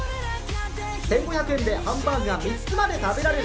１５００円でハンバーグが３つまで食べられる。